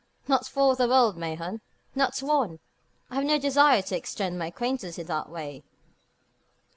"Not for the world, Mahon not one! I have no desire to extend my acquaintance in that way."